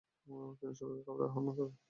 তিনি সবাইকে খাবারে আহবান করলেন।